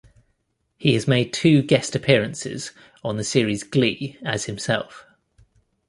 He has made two guest appearances on the series "Glee" as himself.